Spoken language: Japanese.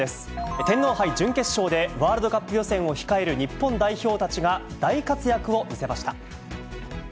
天皇杯準決勝でワールドカップ予選を控える日本代表たちが、大活躍を見せました。